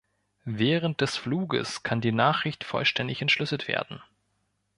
Während des Fluges kann die Nachricht vollständig entschlüsselt werden.